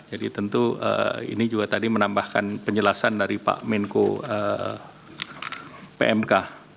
jadi tentu ini juga tadi menambahkan penjelasan dari pak menko pmk